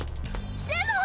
でも！